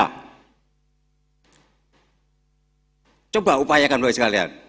nah coba upayakan buat kalian